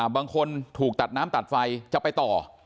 บางคนถูกตัดน้ำตัดไฟจะไปต่อ